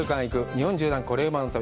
日本縦断コレうまの旅」。